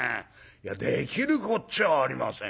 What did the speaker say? できるこっちゃありません。